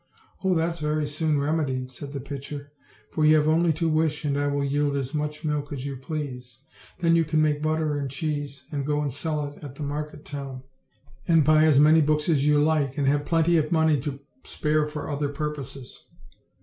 "Oh! that's very soon remedied," said the pitcher, "for you have only to wish, and I will yield as much milk as you please. Then you can make butter and cheese, and go and sell it at the market town, and buy as mar./ books as you like, and have plenty of money to spare foi other purposes."